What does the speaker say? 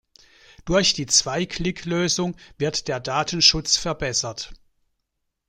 Durch die Zwei-Klick-Lösung wird der Datenschutz verbessert.